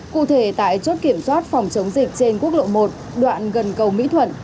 cụ thể tại chốt kiểm soát phòng chống dịch trên quốc lộ một đoạn gần cầu mỹ thuận